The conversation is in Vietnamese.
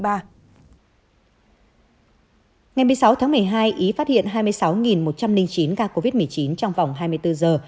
ngày một mươi sáu tháng một mươi hai ý phát hiện hai mươi sáu một trăm linh chín ca covid một mươi chín trong vòng hai mươi bốn giờ